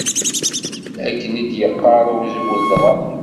Akken i d-yeqqar uzwel dɣa.